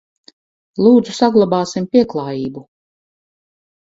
Lūdzu, saglabāsim pieklājību!